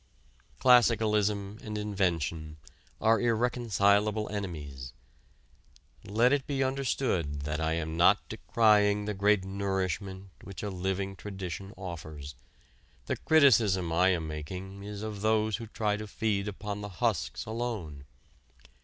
Classicalism and invention are irreconcilable enemies. Let it be understood that I am not decrying the great nourishment which a living tradition offers. The criticism I am making is of those who try to feed upon the husks alone.